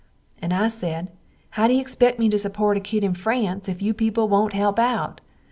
And I sed how do you expect me to suport a kid in France if you peeple wont help out?